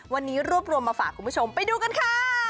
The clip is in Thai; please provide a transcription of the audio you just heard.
วันนี้รวบรวมมาฝากคุณผู้ชมไปดูกันค่ะ